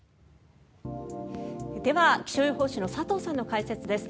では、気象予報士の佐藤さんの解説です。